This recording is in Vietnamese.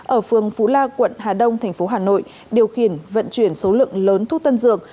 ở phường phú la quận hà đông thành phố hà nội điều khiển vận chuyển số lượng lớn thuốc tân dược